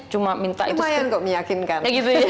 cuma minta itu saya kok meyakinkan